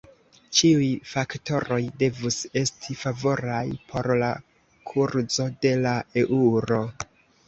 Ĉiuj faktoroj devus esti favoraj por la kurzo de la eŭro.